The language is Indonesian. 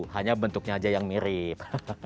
hanya bentuknya aja yang mirip